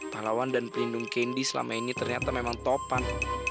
pahlawan dan pelindung kendi selama ini ternyata memang topan